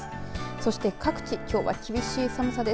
そして、各地きょうは厳しい寒さです。